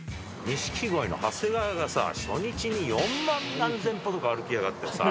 錦鯉の長谷川がさ、初日に４万何千歩とか歩きやがってさ。